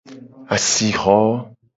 Asixo.